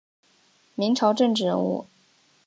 明朝政治人物。